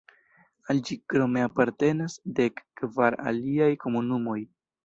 Al ĝi krome apartenas dek-kvar aliaj komunumoj.